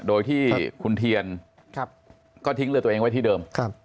โดยที่คุณเทียนก็ทิ้งเรือตัวเองไว้ที่เดิม